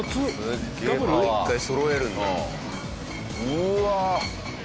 うわ！